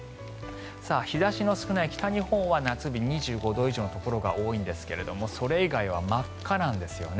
日差しの少ない北日本は夏日２５度以上のところが多いんですがそれ以外は真っ赤なんですよね。